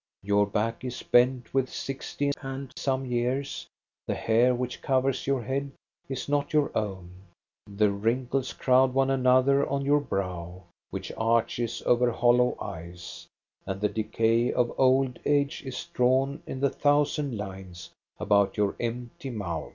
Your back is bent with sixty and some years; the hair which covers your head is not your own ; the wrinkles crowd one another on your brow, which arches over hollow eyes ; and the decay of old age is drawn in the thou sand lines about your empty mouth.